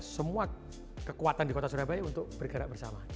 semua kekuatan di kota surabaya untuk bergerak bersama